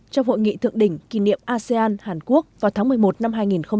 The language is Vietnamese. trong hội nghị thượng đỉnh kỷ niệm asean hàn quốc vào tháng một mươi một năm hai nghìn hai mươi